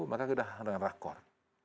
maka kita sudah ada rakor